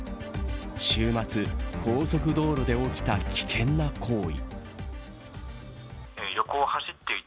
週末、高速道路で起きた危険な行為。